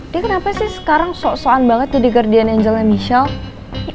dia kenapa sih sekarang so soan banget di the guardian angelnya michelle